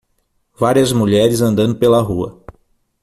Várias mulheres andando pela rua.